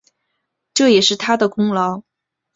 这也是他的功劳